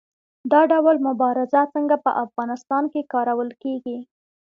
دا ډول مبارزه څنګه په افغانستان کې کارول کیږي؟